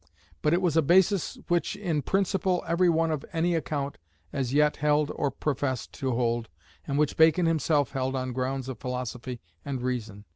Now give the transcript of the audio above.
But it was a basis which in principle every one of any account as yet held or professed to hold, and which Bacon himself held on grounds of philosophy and reason.